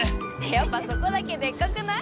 やっぱそこだけデカくない？